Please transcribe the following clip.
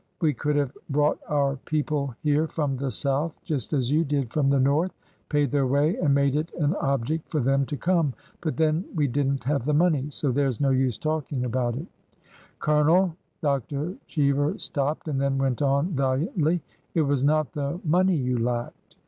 We could have brought our people here from the South just as you did from the North,— paid their way and made it an object for them to come. But then, we did n't have the money, so there 's no use talking about it." '' Colonel,"— Dr. Cheever stopped and then went on valiantly, — it was not the money you lacked."